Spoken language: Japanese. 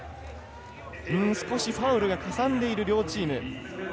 少しファウルがかさんでいる両チーム。